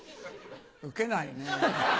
ウケないね。